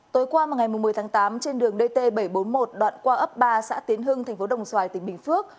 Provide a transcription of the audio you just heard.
tối qua ngày một mươi tháng tám trên đường dt bảy trăm bốn mươi một đoạn qua ấp ba xã tiến hưng thành phố đồng xoài tỉnh bình phước